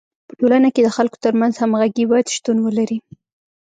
په ټولنه کي د خلکو ترمنځ همږغي باید شتون ولري.